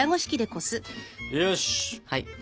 よし！